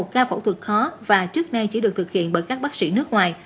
một ca phẫu thuật khó và trước nay chỉ được thực hiện bởi các bác sĩ nước ngoài